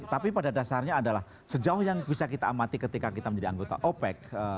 tapi pada dasarnya adalah sejauh yang bisa kita amati ketika kita menjadi anggota opec